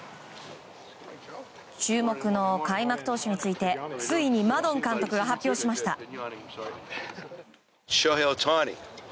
注目の開幕投手についてついにマドン監督が発表しました。